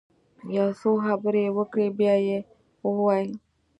يو څو خبرې يې وکړې بيا يې وويل.